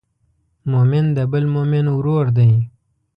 مؤمن د بل مؤمن ورور دی.